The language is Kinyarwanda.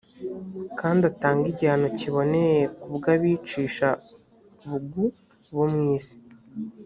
kandi atange igihano kiboneye ku bw abicisha bugu bo mu isi